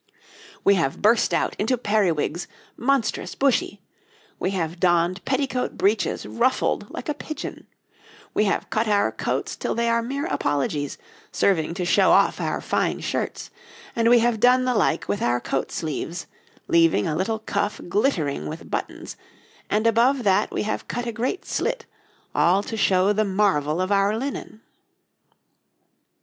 [Illustration: {Two men of the time of Charles II.}] We have burst out into periwigs, monstrous, bushy; we have donned petticoat breeches ruffled like a pigeon; we have cut our coats till they are mere apologies, serving to show off our fine shirts; and we have done the like with our coat sleeves, leaving a little cuff glittering with buttons, and above that we have cut a great slit, all to show the marvel of our linen.